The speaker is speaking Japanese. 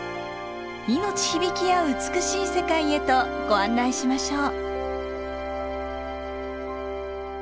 命響きあう美しい世界へとご案内しましょう。